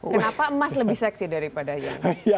kenapa emas lebih seksi daripada yen